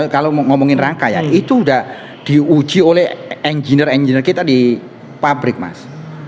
kalau ngomongin rangka ya itu udah diuji oleh engineer engineer kita di pabrik mas